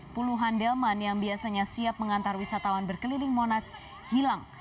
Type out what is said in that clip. puluhan delman yang biasanya siap mengantar wisatawan berkeliling monas hilang